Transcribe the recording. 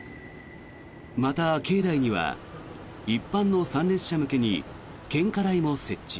また、境内には一般の参列者向けに献花台も設置。